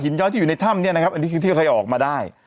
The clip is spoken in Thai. ย้อยที่อยู่ในถ้ำเนี่ยนะครับอันนี้คือที่เคยออกมาได้